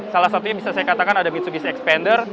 salah satunya bisa saya katakan ada mitsubishi xpander